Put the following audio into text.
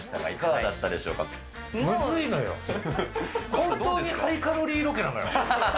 本当にハイカロリーロケなのよ。